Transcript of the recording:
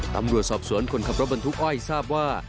ตำรวจสอบสวนคนขับรถบรรทุกอ้อยทราบว่า